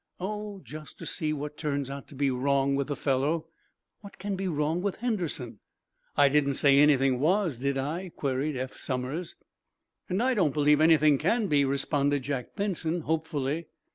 "Oh, just to see what turns out to be wrong with the fellow." "What can be, wrong with Henderson?" "I didn't say anything was, did I?" queried Eph Somers. "And I don't believe anything can be," responded Jack Benson, hopefully.